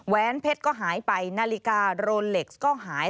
เพชรก็หายไปนาฬิกาโรเล็กซ์ก็หาย